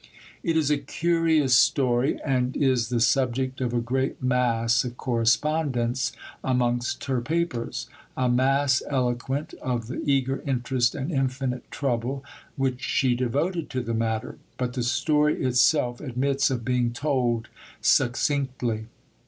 It is a curious story, and is the subject of a great mass of correspondence amongst her Papers a mass eloquent of the eager interest and infinite trouble which she devoted to the matter; but the story itself admits of being told succinctly.